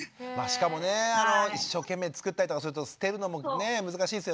しかもね一生懸命作ったりとかすると捨てるのもね難しいですよね。